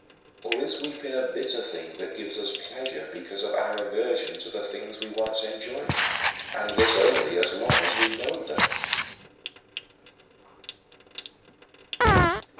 Or is weeping a bitter thing that gives us pleasure because of our aversion to the things we once enjoyed and this only as long as we loathe them?